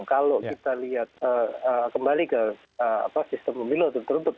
kalau kita lihat kembali ke apa sistem pemilih tertutup